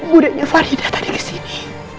budaknya farida tadi kesini